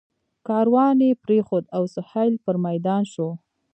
کاروان یې پرېښود او سهیل پر میدان شو.